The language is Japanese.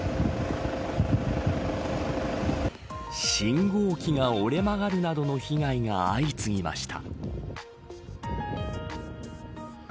信号機が折れ曲がるなどの被害が相次ぎました。